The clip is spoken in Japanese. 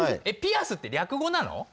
えっピアスって略語なの？